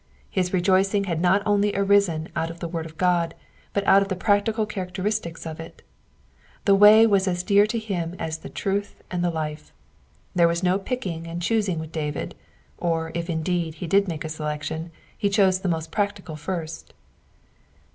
His rejoicing had not onl^ arisen out of the word of God, but out of the practical characteristics of it. The Way was as dear to him as the Truth and the Life. There was no picking and choosing with David, or if indeed he did make a selection, he chose the most practic^ first.